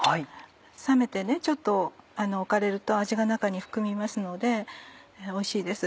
冷めてちょっと置かれると味が中に含みますのでおいしいです。